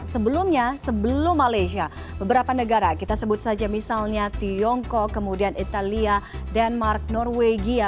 sebelumnya sebelum malaysia beberapa negara kita sebut saja misalnya tiongkok kemudian italia denmark norwegia